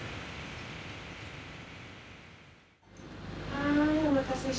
はいお待たせしました。